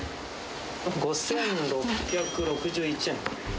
５６６１円。